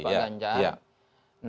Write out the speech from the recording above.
dari pak ganjaan